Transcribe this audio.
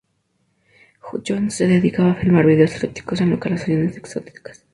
Jones se dedica a filmar videos eróticos en locaciones exóticas.